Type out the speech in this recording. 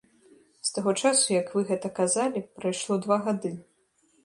З таго часу як вы гэта казалі прайшло два гады.